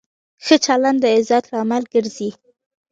ښه چلند د عزت لامل ګرځي.